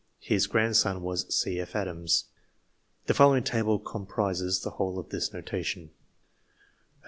His grandson was C. F. Adams. 46 NOTATION The following table comprises the whole of this no tation : G.